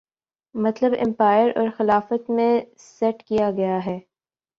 مطلب ایمپائر اور خلافت میں سیٹ کیا گیا ہے